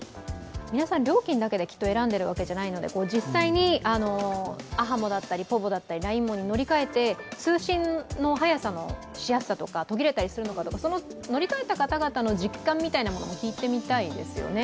皆さん料金だけで選んでいるわけではないので、実際にａｈａｍｏだったりｐｏｖｏだったり、ＬＩＮＥＭＯに乗り換えて通信の速さのしやすさとか、途切れたりするのか、乗り換えた方々の実感とかも聞いてみたいですよね。